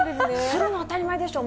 するの当たり前でしょ！